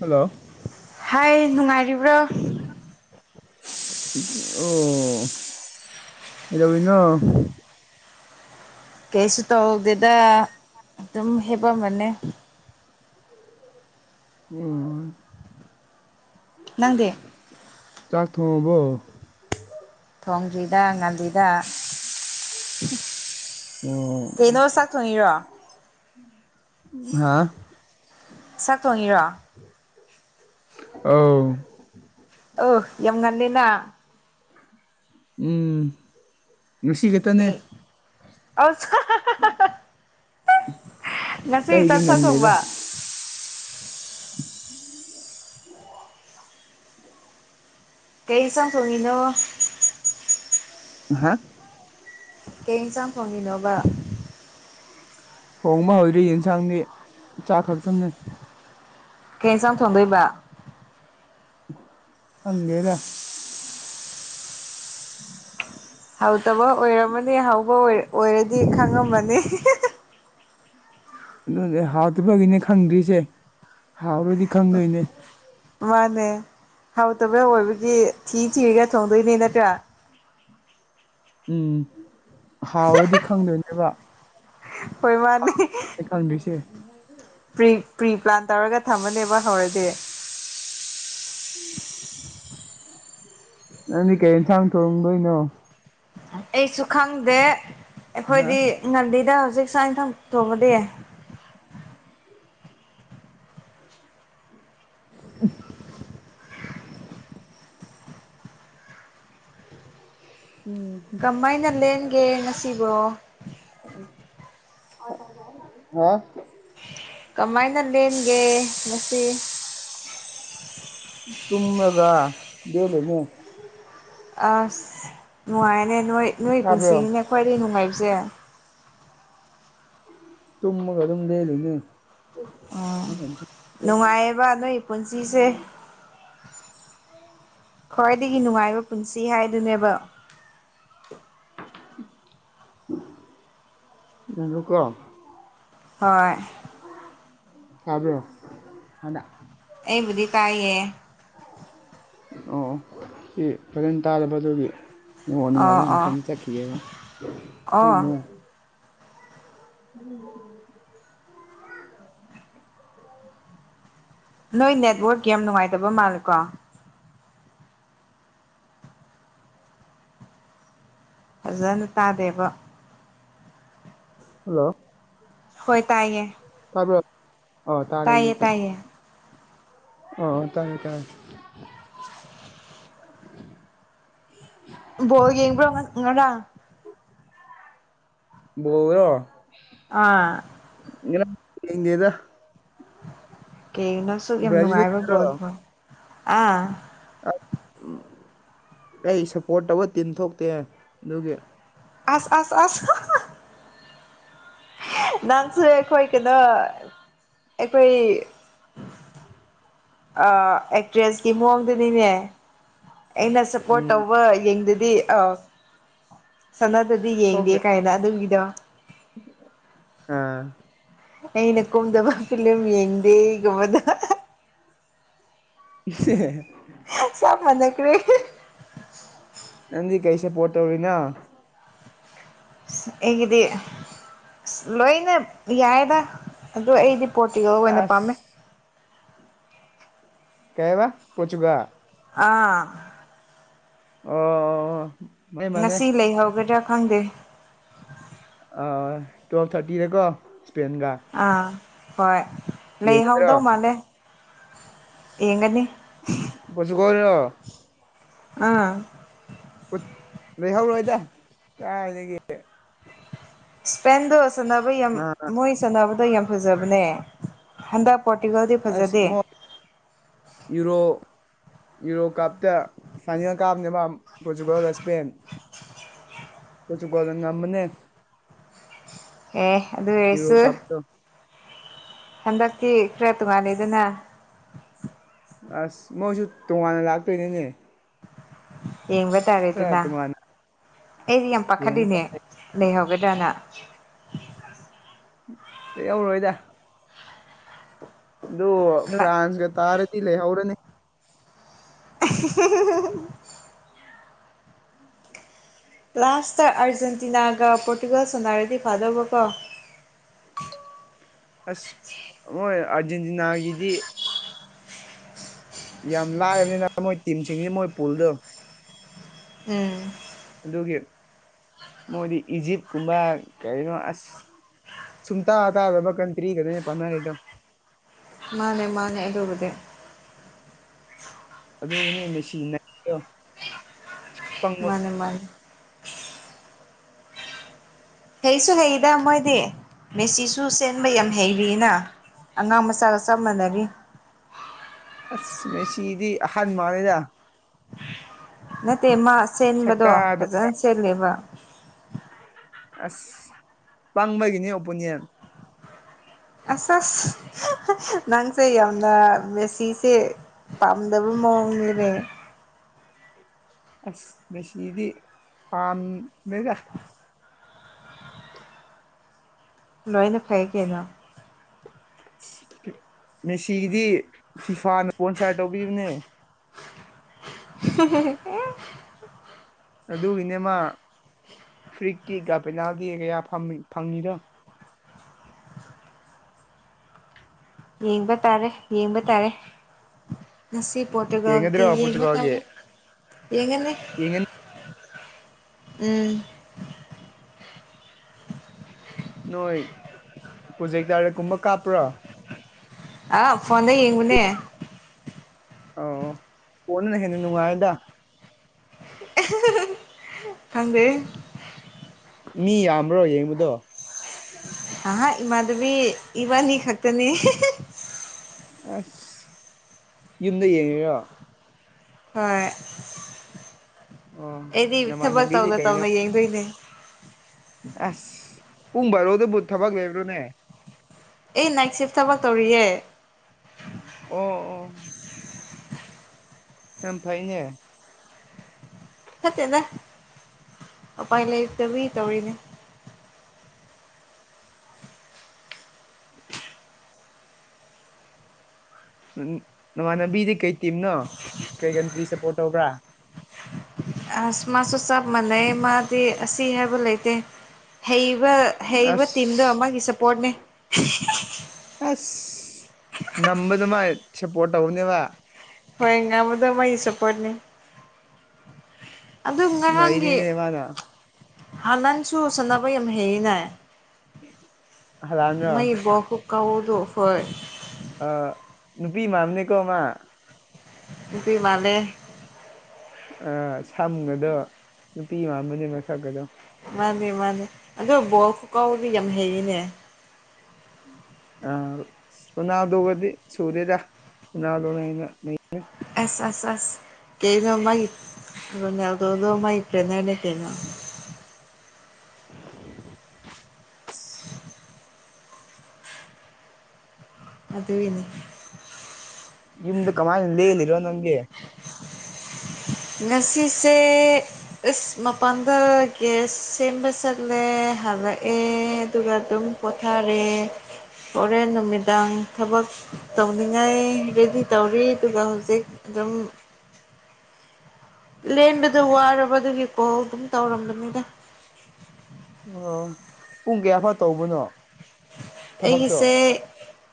hello hi ꯅꯨꯡꯉꯥꯏꯔꯤꯕ꯭ꯔꯣ ꯑꯣ ꯀꯩꯗꯧꯔꯤꯅꯣ ꯀꯩꯁꯨ ꯇꯧꯗꯦꯗ ꯑꯗꯨꯝ ꯍꯤꯞꯄꯝꯕꯅꯦ [unintelligible] ꯅꯪꯗꯤ ꯆꯥꯛ ꯊꯣꯡꯉꯕꯣ ꯊꯣꯡꯗ꯭ꯔꯤꯗ ꯉꯜꯂꯤꯗ ꯎꯝ ꯀꯩꯅꯣ ꯆꯥꯛ ꯊꯣꯡꯉꯤꯔꯣ ꯍꯥ ꯆꯥꯛ ꯊꯣꯡꯉꯤꯔꯣ ꯑꯥꯎ ꯑꯣ ꯌꯥꯝ ꯉꯜꯂꯤꯅ ꯎꯝ ꯉꯁꯤ ꯈꯛꯇꯅꯦ ꯑꯁ ꯉꯁꯤ ꯈꯛꯇꯥ ꯑꯇꯩꯗꯤ ꯆꯥꯛ ꯉꯟꯗꯦꯗ ꯊꯣꯡꯕ ꯀꯩ ꯏꯟꯁꯥꯡ ꯊꯣꯡꯉꯤꯅꯣ ꯑꯍꯥ ꯀꯩ ꯏꯟꯁꯥꯡ ꯊꯣꯡꯉꯤꯅꯣꯕ ꯊꯣꯡꯕ ꯍꯧꯗ꯭ꯔꯤ ꯌꯦꯟꯁꯥꯡꯗꯤ ꯆꯥꯛ ꯈꯛꯇꯪꯅꯦ ꯀꯩ ꯏꯟꯁꯥꯡ ꯊꯣꯡꯗꯣꯏꯕ ꯈꯪꯗꯦꯗ [inaudible] ꯍꯥꯎꯇꯕ ꯑꯣꯏꯔꯝꯃꯅꯤ ꯍꯥꯎꯕ ꯑꯣꯏ ꯑꯣꯏꯔꯗꯤ ꯈꯪꯉꯝꯃꯅꯤ ꯑꯗꯨꯅꯅꯦ ꯍꯥꯎꯇꯕꯒꯤꯅꯦ ꯈꯪꯗ꯭ꯔꯤꯁꯦ ꯍꯥꯎꯔꯗꯤ ꯈꯪꯗꯣꯏꯅꯦ ꯃꯥꯅꯦ ꯍꯥꯎꯇꯕ ꯑꯣꯏꯕꯒꯤ ꯊꯤ ꯊꯤꯔꯒ ꯊꯣꯡꯗꯣꯏꯅꯦ ꯅꯠꯇ꯭ꯔꯥ ꯎꯝ ꯍꯥꯎꯔꯗꯤ ꯈꯪꯗꯣꯏꯅꯦꯕ ꯍꯣꯏ ꯃꯥꯅꯤ ꯑꯩ ꯈꯪꯗ꯭ꯔꯤꯁꯦ ꯄ꯭ꯔꯤ ꯄ꯭ꯔꯤ ꯄ꯭ꯂꯥꯟ ꯇꯧꯔꯒ ꯊꯝꯃꯅꯦꯕ ꯍꯥꯎꯔꯗꯤ ꯎꯝ [unintelligible] ꯅꯪꯗꯤ ꯀꯩ ꯏꯟꯁꯥꯡ ꯊꯣꯡꯗꯣꯏꯅꯣ ꯑꯩꯁꯨ ꯈꯪꯗꯦ ꯍꯥ ꯑꯩꯈꯣꯏꯗꯤ ꯉꯜꯂꯤꯗ ꯍꯧꯖꯤꯛ ꯆꯥꯛ ꯏꯟꯁꯥꯡ ꯊꯣꯡꯉꯗꯤ [inaudible] [inaudible] ꯀꯃꯥꯏꯅ ꯂꯦꯟꯒꯦ ꯉꯁꯤꯕꯣ ꯍꯥ ꯀꯃꯥꯏꯅ ꯂꯦꯟꯒꯦ ꯉꯁꯤ ꯇꯨꯝꯃꯒ ꯂꯦꯟꯂꯤꯅꯦ ꯑꯁ ꯅꯨꯡꯉꯥꯏꯅꯦ ꯅꯣꯏ ꯅꯣꯏꯒꯤ ꯇꯥꯕ꯭ꯔꯣ ꯄꯨꯟꯁꯤꯅꯤꯅꯦ ꯈ꯭ꯋꯥꯏꯗꯒꯤꯩ ꯅꯨꯡꯉꯥꯏꯕꯁꯦ ꯇꯨꯝꯃꯒ ꯑꯗꯨꯝ ꯂꯦꯜꯂꯨꯅꯦ ꯎꯝ ꯅꯨꯡꯉꯥꯏꯌꯦꯞ ꯅꯣꯏ ꯄꯨꯟꯁꯤꯁꯦ ꯈ꯭ꯋꯥꯏꯗꯒꯤ ꯅꯨꯡꯉꯥꯏꯕ ꯄꯨꯟꯁꯤ ꯁꯤ ꯍꯥꯏꯗꯨꯅꯦꯕ [unintelligible] ꯍꯣꯏ ꯀꯕ꯭ꯔꯣ ꯍꯅ ꯑꯩꯕꯨꯗꯤ ꯀꯥꯏꯌꯦ ꯑꯣ ꯁꯤ ꯐꯖꯅ ꯇꯥꯔꯕ ꯑꯗꯨꯒꯤ ꯅꯦꯠꯋꯥꯛ ꯑꯣ ꯅꯨꯡꯉꯥꯏꯕ ꯑꯣ ꯃꯐꯝ ꯆꯠꯈꯤꯒꯦꯕ ꯁꯣ ꯑꯣ ꯎꯝ ꯎꯝ [unintelligible] ꯅꯣꯏ ꯅꯦꯠꯋꯥꯔꯛ ꯌꯥꯝ ꯅꯨꯡꯉꯥꯏꯇꯕ ꯃꯥꯜꯂꯦꯀꯣ ꯐꯖꯅ ꯇꯥꯗꯦꯕ ꯍꯜꯂꯣ ꯍꯣꯏ ꯇꯥꯏꯌꯦ ꯇꯥꯕꯔꯣ ꯑ ꯑꯣ ꯇꯥꯔꯦ ꯇꯥꯏꯌꯦ ꯍꯧꯖꯤꯛꯇꯤ ꯇꯥꯏꯌꯦ ꯑ ꯇꯥꯔꯦ ꯇꯥꯔꯦ [inaudible] ꯕꯣꯜ ꯌꯦꯡꯕ꯭ꯔꯣ ꯉꯔꯥꯡ ꯎꯔꯣ [unintelligible] ꯑꯥ ꯌꯦꯡꯗꯦꯗꯥ ꯀꯩ ꯁꯨꯛ ꯌꯥꯝ ꯅꯨꯉꯥꯏ ꯕ ꯕꯥꯜ ꯕ꯭ꯔꯥꯖꯤꯜꯒꯤꯗꯣ ꯕꯨ ꯑꯩ ꯁꯞꯄꯣꯔꯠ ꯇꯧꯕ ꯇꯤꯟ ꯊꯣꯛꯇꯦ ꯑꯗꯨꯒꯤ ꯑꯁ ꯑꯁ ꯑꯁ ꯍꯥ ꯍꯥ ꯅꯪꯁꯨ ꯑꯩꯈꯣꯏ ꯀꯩꯅꯣ ꯑꯩꯈꯣꯏ ꯑ ꯑꯦꯛꯇ꯭ꯔꯦꯁꯀꯤ ꯃꯑꯣꯡꯗꯨꯅꯤꯅꯦ ꯑꯩꯅ ꯁꯄꯣꯔꯠ ꯎꯝ ꯇꯧꯕ ꯌꯦꯡꯗꯨꯗꯤ ꯑ ꯁꯅꯗꯗꯤ ꯌꯦꯡꯗꯦ ꯊꯣꯛꯇ꯭ꯔꯦ ꯀꯥꯏꯅ ꯑꯗꯨꯒꯤꯗꯣ ꯑꯥ ꯑꯩꯅ ꯀꯨꯝꯗꯕ ꯐꯤꯂꯝ ꯌꯦꯡꯗꯦꯒꯨꯝꯕꯗ [inaudible] ꯆꯞ ꯃꯥꯟꯅꯈ꯭ꯔꯦ ꯅꯪꯗꯤ ꯀꯔꯤ ꯁꯞꯄꯣꯔꯠ ꯇꯧꯔꯤꯅꯣ ꯑꯩꯒꯤꯗꯤ ꯂꯣꯏꯅ ꯌꯥꯏꯔꯦꯗꯥ ꯑꯗꯣ ꯑꯩꯗꯤ ꯄꯣꯔꯇꯤꯒꯜ ꯑꯣꯏꯅ ꯑꯁ ꯄꯥꯝꯃꯦ ꯀꯩꯕ ꯐꯣꯔꯇꯨꯒꯜ ꯑꯥ ꯑꯣ ꯃꯥꯅꯦ ꯃꯥꯅꯦ ꯉꯁꯤ ꯂꯩꯍꯧꯒꯗ꯭ꯔꯥ ꯈꯪꯗꯦ ꯑꯥ ꯇꯨꯋꯦꯜꯞ ꯊꯥꯔꯇꯤꯗꯀꯣ ꯁ꯭ꯄꯦꯟꯒ ꯑꯥ ꯍꯣꯏ ꯌꯦꯡꯒꯗ꯭ꯔꯣ ꯂꯩꯍꯧꯗꯧ ꯃꯥꯜꯂꯦ ꯌꯦꯡꯒꯅꯤ ꯄꯣꯇꯨꯒꯣꯜꯂꯣ ꯑꯥ ꯎꯠ ꯂꯩꯍꯧꯔꯣꯏꯗ ꯀꯥꯏꯗꯒꯤ ꯏꯁꯄꯦꯟꯗꯣ ꯁꯥꯟꯅꯕ ꯌꯥꯝ ꯅꯍꯥꯟ ꯃꯣꯏ ꯁꯥꯟꯅꯕꯗꯣ ꯌꯥꯝ ꯐꯖꯕꯅꯦ ꯍꯟꯗꯛ ꯄꯣꯔꯇꯨꯒꯜꯗꯤ ꯑꯁ ꯐꯖꯗꯦ ꯃꯣ ꯌꯨꯔꯣ ꯌꯨꯔꯣ ꯀꯥꯞꯇ ꯐꯥꯏꯅꯦꯜ ꯀꯥꯞꯅꯦꯕ ꯄꯣꯔꯇꯨꯒꯜꯒ ꯏꯁꯄꯦꯟ ꯄꯣꯔꯇꯨꯒꯜꯅ ꯉꯝꯃꯅꯦ ꯑꯦ ꯑꯗꯨ ꯌꯨꯔꯣ ꯑꯣꯏꯁꯨ ꯀꯞꯇꯣ ꯍꯟꯗꯛꯇꯤ ꯈꯔ ꯇꯣꯉꯥꯟꯂꯦꯗꯅꯥ ꯑꯁ ꯃꯣꯏꯁꯨ ꯇꯣꯉꯥꯟꯅ ꯂꯥꯛꯇꯣꯏꯅꯤꯅꯦ ꯌꯦꯡꯕ ꯈꯔ ꯇꯥꯔꯦꯗꯅꯥ ꯇꯣꯉꯥꯟꯅ ꯑꯩꯗꯤ ꯌꯥꯝ ꯌꯦꯡꯕ ꯄꯥꯈꯠꯂꯤꯅꯦ ꯇꯥꯔꯦ ꯂꯩꯍꯧꯒꯗ꯭ꯔꯥꯅ ꯂꯩꯍꯧꯔꯣꯏꯗ ꯑꯗꯨ ꯐ꯭ꯔꯥꯟꯁꯀ ꯇꯥꯔꯗꯤ ꯂꯩꯍꯧꯔꯅꯤ [unintelligible] ꯂꯥꯁꯇ ꯑꯥꯔꯖꯦꯟꯇꯤꯅꯥꯒ ꯄꯣꯔꯇꯨꯒꯜ ꯁꯥꯟꯅꯔꯗꯤ ꯐꯥꯗꯧꯕ ꯀꯣ ꯑꯁ ꯃꯣꯏ ꯑꯥꯔꯖꯦꯟꯇꯤꯅꯥꯒꯤꯗꯤ ꯌꯥꯝ ꯂꯥꯏꯕꯅꯤꯅ ꯃꯣꯏ ꯇꯤꯝꯁꯤꯡꯁꯤꯅ ꯃꯣꯏ ꯄꯨꯜꯗꯣ ꯎꯝ ꯑꯗꯨꯒꯤ ꯃꯣꯏꯗꯤ ꯏꯖꯤꯞꯀꯨꯝꯕ ꯀꯔꯤꯅꯣ ꯑꯁ ꯁꯨꯡꯇꯥꯇꯥꯥꯗꯕ ꯀꯟꯇ꯭ꯔꯤꯒꯅꯦ ꯄꯥꯅꯔꯤꯗꯣ ꯃꯥꯅꯦ ꯃꯥꯅꯦ ꯑꯗꯨꯕꯨꯗꯤ ꯑꯗꯨꯒꯤꯅꯦ ꯃꯦꯁꯤ ꯅꯩꯔꯤꯗꯣ ꯄꯪꯕ ꯃꯥꯅꯦ ꯃꯥꯅꯦ ꯍꯩꯁꯨ ꯍꯩꯗ ꯃꯣꯏꯗꯤ ꯃꯦꯁꯤꯁꯨ ꯆꯦꯟꯕ ꯌꯥꯝ ꯍꯩꯔꯤꯅꯥ ꯑꯉꯥꯡ ꯃꯆꯥꯒ ꯆꯞ ꯃꯥꯟꯅꯔꯤ ꯑꯁ ꯃꯦꯁꯤꯗꯤ ꯑꯍꯟ ꯃꯥꯜꯂꯦꯗꯥ ꯅꯠꯇꯦ ꯃꯥ ꯆꯦꯟꯕꯗꯣ ꯁꯛꯇꯥꯗꯣ ꯐꯖꯅ ꯆꯦꯜꯂꯦꯕ ꯑꯁ ꯄꯥꯡꯕꯒꯤꯅꯤ ꯑꯣꯄꯣꯅꯤꯌꯟ ꯑꯁ ꯑꯁ ꯅꯪꯁꯦ ꯌꯥꯝꯅ ꯃꯦꯁꯤꯁꯦ ꯄꯥꯝꯗꯕ ꯃꯑꯣꯡꯅꯤꯅꯦ ꯑꯁ ꯃꯦꯁꯤꯗꯤ ꯄꯥꯝꯃꯦꯗꯥ ꯂꯣꯏꯅ ꯐꯩ ꯀꯩꯅꯣ ꯃꯦꯁꯤꯒꯤꯗꯤ ꯐꯤꯐꯥꯅ ꯏꯁꯄꯣꯟꯁꯔ ꯇꯧꯕꯤꯕꯅꯦ [unintelligible] ꯑꯗꯨꯒꯤꯅꯦꯃꯥ ꯐ꯭ꯔꯤꯛꯀꯤꯀ ꯄꯦꯅꯥꯜꯇꯤꯒꯤꯒ ꯌꯥꯝ ꯐꯪ ꯐꯪꯉꯤꯗꯣ ꯌꯦꯡꯕ ꯇꯥꯔꯦ ꯌꯦꯡꯕ ꯇꯥꯔꯦ ꯉꯁꯤ ꯄꯣꯔꯇꯨꯒꯜꯒꯤ ꯌꯦꯡꯒꯗ꯭ꯔꯣ ꯌꯦꯡꯕ ꯄꯣꯔꯇꯨꯒꯜꯒꯤ ꯇꯥꯔꯦ ꯌꯦꯡꯉꯅꯤ ꯌꯦꯡꯒꯅꯤ ꯎꯝ ꯅꯣꯏ ꯄ꯭ꯔꯣꯖꯦꯛꯇꯔ ꯀꯨꯝꯕ ꯀꯥꯞꯄ꯭ꯔꯣ ꯑꯥ ꯐꯣꯟꯗ ꯌꯦꯡꯕꯅꯦ ꯑ ꯐꯣꯟꯗꯅ ꯍꯦꯟꯅ ꯅꯨꯡꯉꯥꯏꯗꯥ ꯈꯪꯗꯦꯍꯦ ꯃꯤ ꯌꯥꯝꯕ꯭ꯔꯣ ꯌꯦꯡꯕꯗꯣ ꯑꯥ ꯏꯃꯥꯟꯅꯕꯤ ꯏꯕꯥꯅꯤ ꯈꯛꯇꯅꯤ [unintelligible] ꯑꯁ ꯌꯨꯝꯗ ꯌꯦꯡꯉꯤꯔꯣ ꯍꯣꯏ ꯑꯣ ꯑꯩꯗꯤ ꯊꯕꯛ ꯅꯃꯥꯟꯅꯕꯤꯗꯤ ꯇꯧꯅ ꯀꯩꯅꯣ ꯇꯧꯅ ꯌꯦꯡꯗꯣꯏꯅꯦ ꯑꯁ ꯄꯨꯡ ꯕꯥꯔꯣꯗꯕꯨ ꯊꯕꯛ ꯂꯩꯕ꯭ꯔꯣꯅꯦ ꯑꯦ ꯅꯥꯏꯠ ꯁꯤꯐ ꯊꯕꯛ ꯇꯧꯔꯤꯌꯦ ꯑꯣ ꯑꯣ ꯌꯥꯝ ꯐꯩꯅꯦ ꯐꯠꯇꯦꯗ ꯎꯄꯥꯏ ꯂꯩꯇꯕꯒꯤ ꯇꯧꯔꯤꯅꯦ ꯅꯃꯥꯟꯅꯕꯤꯗꯤ ꯀꯩ ꯇꯤꯝꯅꯣ ꯀꯩ ꯀꯟꯇ꯭ꯔꯤ ꯁꯞꯄꯣꯔꯠ ꯇꯧꯕ꯭ꯔꯥ ꯑꯁ ꯃꯥꯁꯨ ꯆꯞ ꯃꯥꯟꯅꯩꯌꯦ ꯃꯥꯗꯤ ꯑꯁꯤ ꯍꯥꯏꯕ ꯂꯩꯇꯦ ꯍꯩꯕ ꯍꯩꯕ ꯇꯤꯝꯗꯣ ꯑꯁ ꯃꯥꯒꯤꯁꯞꯄꯣꯔꯠꯅꯦ [unintelligible] ꯑꯁ ꯉꯝꯕꯗꯨ ꯃꯥꯏ ꯁꯞꯄꯣꯔꯠ ꯇꯧꯕꯅꯦꯕ ꯍꯣꯏ ꯉꯝꯕꯗꯣ ꯃꯥꯒꯤ ꯁꯞꯄꯣꯔꯠꯅꯤ ꯑꯗꯨ ꯉꯔꯥꯡꯒꯤ ꯅꯩꯔꯤꯅꯦ ꯃꯥꯅ ꯍꯥꯥꯟ ꯅꯪꯁꯨ ꯁꯅꯥꯕ ꯌꯥꯝ ꯍꯩꯌꯦꯅꯥꯏ ꯍꯂꯥꯟꯔꯣ [unintelligible] ꯑꯥ ꯅꯨꯄꯤ ꯃꯥꯟꯕꯅꯤꯀꯣ ꯃꯥ ꯅꯨꯄꯤ ꯃꯥꯜꯂꯦ ꯑꯥ ꯁꯝꯒꯗꯣ ꯅꯨꯄꯤ ꯑꯃꯥꯟꯕꯅꯦ ꯃꯁꯛꯀꯗꯣ ꯃꯥꯅꯤ ꯃꯥꯅꯤ ꯑꯗꯣ ꯕꯣꯜ ꯈꯨꯀꯥꯎꯗꯤ ꯌꯥꯝ ꯍꯩꯌꯦꯅꯦ ꯑꯥ ꯑꯁ ꯔꯣꯅꯥꯜꯗꯣꯒꯗꯤ ꯁꯨꯗꯦꯗꯥ ꯔꯣꯅꯥꯜꯗꯣꯅꯦꯗ ꯃꯤ ꯑꯁ ꯑꯁ ꯑꯁ ꯀꯩꯕ ꯃꯥꯒꯤ ꯔꯣꯅꯥꯜꯗꯣꯗꯣ ꯃꯥꯒꯤ ꯇ꯭ꯔꯦꯅꯔꯅꯦ ꯀꯩꯅꯣ [inaudible] ꯑꯗꯨꯏꯅꯤ ꯌꯨꯝꯗ ꯀꯃꯥꯏ ꯂꯦꯜꯂꯤꯔꯣ ꯅꯪꯗꯤ ꯉꯁꯤꯁꯦ ꯑꯁ ꯃꯄꯥꯟꯗ ꯒꯌꯥꯁ ꯁꯦꯝꯕ ꯆꯠꯂꯦ ꯍꯜꯂꯛꯑꯦ ꯑꯗꯨꯒ ꯑꯗꯨꯝ ꯄꯣꯊꯥꯔꯦ ꯍꯣꯔꯦꯟ ꯅꯨꯃꯤꯗꯥꯡ ꯊꯕꯛ ꯇꯧꯅꯤꯡꯉꯥꯏ ꯔꯦꯗꯤ ꯇꯧꯔꯤ ꯑꯗꯨꯒ ꯍꯧꯖꯤꯛ ꯑꯗꯨꯝ ꯂꯦꯟꯕꯗꯨ ꯋꯥꯔꯕ ꯑꯗꯨꯒꯤ ꯀꯣꯜ ꯑꯗꯨꯝ ꯇꯧꯔꯝꯕꯅꯤꯗ ꯑꯣ ꯄꯨꯡ ꯀꯌꯥꯐꯥꯎ ꯇꯧꯕꯅꯣ ꯊꯕꯛꯇꯣ ꯑꯩꯒꯤꯁꯦ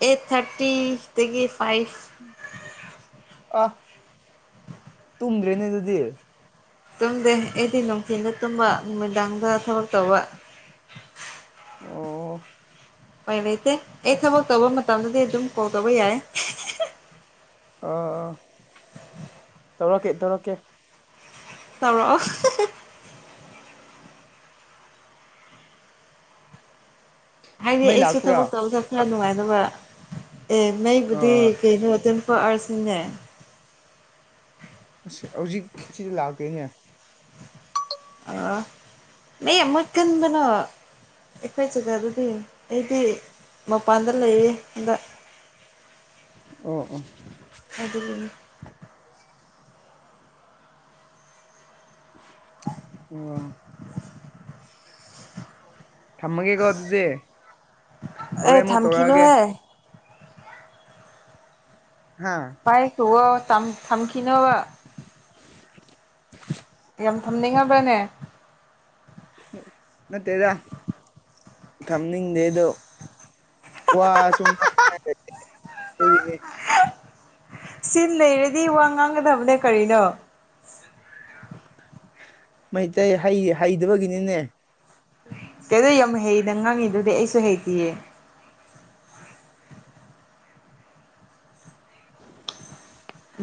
ꯑꯦꯠ ꯊꯥꯔꯇꯤꯗꯒꯤ ꯐꯥꯏꯚ ꯑꯥ ꯇꯨꯝꯗ꯭ꯔꯦꯅꯦ ꯑꯗꯨꯗꯤ ꯇꯨꯝꯗꯦ ꯑꯩꯗꯤ ꯅꯨꯡꯊꯤꯟꯗ ꯇꯨꯝꯕ ꯅꯨꯃꯤꯗꯥꯡꯗ ꯊꯕꯛ ꯇꯧꯕ ꯑꯣ ꯎꯄꯥꯏ ꯂꯩꯇꯦ ꯑꯩ ꯑꯁ ꯊꯕꯛ ꯇꯧꯕ ꯃꯇꯝꯗꯗꯤ ꯑꯗꯨꯝ ꯀꯣꯜ ꯇꯧꯕ ꯌꯥꯏ ꯑꯥ ꯑꯥ ꯇꯧꯔꯛꯀꯦ ꯇꯧꯔꯛꯀꯦ ꯇꯧꯔꯛꯑꯣ ꯍꯥꯏꯗꯤ ꯃꯩ ꯑꯩꯁꯨ ꯂꯥꯛꯄ꯭ꯔꯥ ꯊꯕꯛ ꯇꯧꯕꯗ ꯈꯔ ꯅꯨꯡꯉꯥꯏꯅꯕ ꯑꯦ ꯃꯩꯕꯨꯗꯤ ꯑꯥ ꯀꯩꯅꯣ ꯑꯗꯨꯝ ꯄꯥꯁ ꯅꯤꯅꯦ ꯑꯁ ꯍꯧꯖꯤꯛ ꯁꯤꯗ ꯂꯥꯛꯇꯦꯅꯦ ꯑꯥ ꯃꯩꯌꯥꯝ ꯃꯨꯠꯀꯟꯕꯅꯥ ꯑꯩꯈꯣꯏ ꯖꯒꯥꯗꯨꯗꯤ ꯑꯩꯗꯤ ꯃꯄꯥꯟꯗ ꯂꯩꯌꯦ ꯍꯥꯟꯗ [inaudible] ꯑꯣ ꯑꯣ ꯑꯗꯨꯅꯤ ꯑꯣ ꯊꯝꯃꯒꯦꯀꯣ ꯑꯗꯨꯗꯤ ꯑꯦ ꯍꯣꯔꯦꯟ ꯑꯃꯨꯛ ꯇꯧꯔꯛꯑꯒꯦ ꯊꯝꯈꯤꯅꯨꯍꯦ ꯍꯥꯥ [unintelligible] ꯇꯝ ꯊꯝꯈꯤꯅꯕ [inaudible] ꯌꯥꯝ ꯊꯝꯅꯤꯡꯉꯕꯅꯦ ꯅꯠꯇꯦꯗ ꯊꯝꯅꯤꯡꯗꯦ ꯑꯗꯣ ꯋꯥ ꯁꯨꯝ [unintelligible] ꯑꯗꯨꯒꯤꯅꯦ ꯁꯤꯟ ꯂꯩꯔꯗꯤ ꯋꯥ ꯉꯥꯡꯒꯗꯕꯅꯦ ꯀꯔꯤꯅꯣ ꯃꯩꯇꯩ ꯍꯩ ꯍꯩꯗꯕꯒꯤꯅꯤꯅꯦ ꯀꯩꯗ ꯌꯥꯝ ꯍꯩꯅ ꯉꯥꯡꯉꯤꯗꯨꯗꯤ ꯑꯩꯁꯨ ꯍꯩꯇꯌꯦ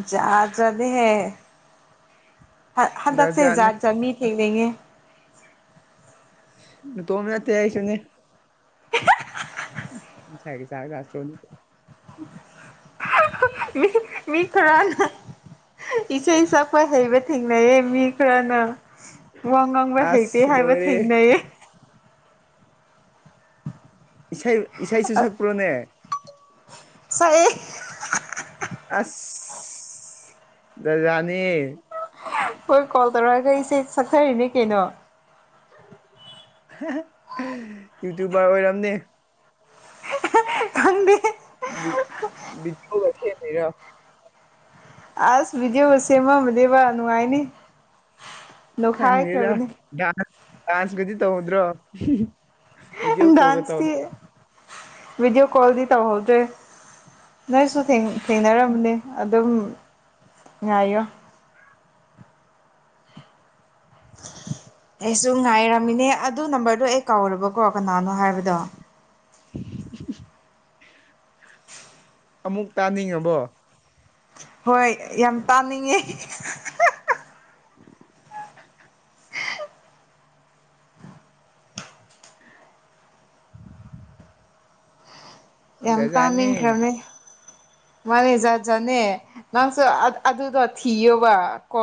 ꯖꯥꯠ ꯖꯥꯠ ꯅꯦꯍꯦ ꯍꯠ ꯍꯟꯗꯛꯁꯦ ꯖꯥꯠ ꯖꯥꯠ ꯃꯤ ꯊꯦꯡꯅꯩꯌꯦ ꯅꯥꯇꯣꯝ ꯅꯠꯇꯦ ꯑꯩꯁꯨꯅꯤ [inaudible] [unintelligible] ꯃꯤ ꯃꯤ ꯈꯔꯅꯥ ꯏꯁꯩ ꯁꯛꯄ ꯍꯩꯕ ꯊꯦꯡꯅꯩꯌꯦ ꯃꯤ ꯈꯔꯅ ꯋꯥ ꯉꯪꯕ ꯍꯩꯇꯦ ꯑꯁ ꯍꯥꯏꯕ ꯂꯣꯏꯔꯦ ꯊꯦꯡꯅꯩꯌꯦ ꯏꯁꯩ ꯏꯁꯩꯁꯨ ꯁꯛꯄ꯭ꯔꯣꯅꯦ ꯁꯥꯛ ꯑꯦ ꯑꯁ ꯔꯥꯖꯅꯦ ꯍꯣꯏ ꯀꯣꯜ ꯇꯧꯔꯛꯑꯒ ꯏꯆꯦ ꯁꯛꯊꯔꯤꯅꯦ ꯀꯩꯅꯣ ꯌꯨꯇꯨꯕꯔ ꯑꯣꯏꯔꯝꯅꯦ ꯈꯪꯗꯦ ꯕꯤ ꯕꯤꯗꯤꯑꯣ ꯒꯥ ꯁꯦꯝꯃꯤꯔꯣ ꯑꯁ ꯕꯤꯗꯤꯑꯣꯒ ꯁꯦꯃꯝ ꯃꯗꯦꯕꯥ ꯅꯨꯡꯉꯥꯏꯅꯤ ꯈꯪꯉꯦꯗ ꯅꯣꯛꯈꯥꯏꯈ꯭ꯔꯕꯅꯤ ꯗꯥꯟꯁ ꯗꯥꯟꯁꯀꯗꯤ ꯇꯧꯗ꯭ꯔꯣ ꯑꯟ ꯚꯤꯗꯤꯑꯣ ꯀꯣꯜꯒ ꯗꯥꯁꯇꯤ ꯇꯧꯗ ꯕꯤꯗꯤꯑꯣ ꯀꯣꯜꯗꯤ ꯇꯧꯍꯧꯗ꯭ꯔꯦ ꯅꯣꯏꯁꯨ ꯊꯦꯡ ꯊꯦꯡꯅꯔꯝꯕꯅꯦ ꯑꯗꯨꯝ ꯉꯥꯏꯌꯣ ꯑꯩꯁꯨ ꯉꯥꯏꯔꯝꯃꯤꯅꯦ ꯑꯗꯨ ꯅꯝꯕꯔꯗꯨ ꯑꯩ ꯀꯧꯔꯕꯀꯣ ꯀꯅꯥꯅꯣ ꯍꯥꯏꯕꯗꯣ ꯑꯃꯨꯛ ꯇꯥꯅꯤꯡꯉꯕꯣ ꯍꯣꯏ ꯌꯥꯝ ꯇꯥꯅꯤꯡꯉꯦ [inaudible] ꯌꯥꯝ ꯖꯥꯠ ꯖꯥꯠꯅꯤ ꯇꯥꯅꯤꯡꯈ꯭ꯔꯝꯅꯦ ꯃꯥꯅꯦ ꯖꯠ ꯖꯥꯠꯅꯦ ꯅꯪꯁꯨ ꯑꯥ ꯑꯠ ꯑꯗꯨꯗꯣ ꯊꯤꯌꯣꯕ ꯀꯣ